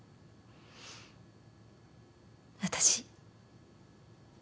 私。